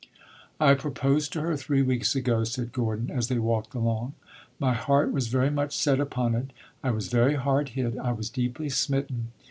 "I proposed to her three weeks ago," said Gordon, as they walked along. "My heart was very much set upon it. I was very hard hit I was deeply smitten.